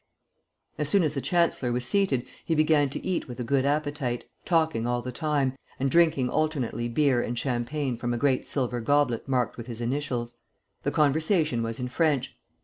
As soon as the chancellor was seated, he began to eat with a good appetite, talking all the time, and drinking alternately beer and champagne from a great silver goblet marked with his initials. The conversation was in French.